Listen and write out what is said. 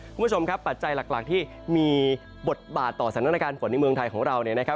คุณผู้ชมครับปัจจัยหลักที่มีบทบาทต่อสถานการณ์ฝนในเมืองไทยของเราเนี่ยนะครับ